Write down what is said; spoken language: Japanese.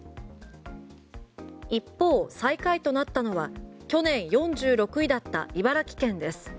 一方、最下位となったのは去年４６位だった茨城県です。